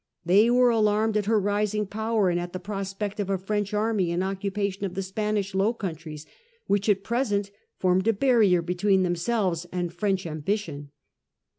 They were alarmed at her rising power, and at the prospect of a French army in occupation of the Spanish Low Countries, which at present formed a barrier between themselves and French ambition.